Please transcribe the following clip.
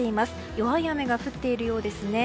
弱い雨が降っているようですね。